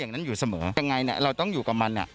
อย่างนั้นอยู่เสมอเอ้ยยเราต้องอยู่กับมัน